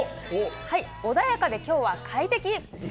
穏やかできょうは快適。